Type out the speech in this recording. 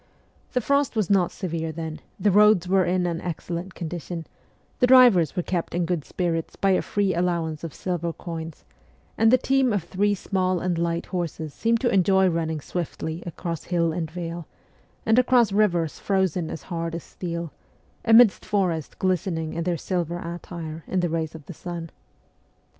The frost was not severe then, the roads were in an excellent condition, the drivers were kept in good spirits by a free allowance of silver coins, and the team of three small and light horses seemed to enjoy running swiftly across hill and vale, and across rivers frozen as hard as steel, amidst forests glistening in their silver attire in the rays of the sun.